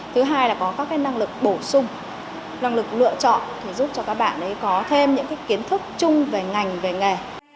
thứ hai là có các cái năng lực bổ sung năng lực lựa chọn để giúp cho các bạn có thêm những cái kiến thức chung về ngành về nghề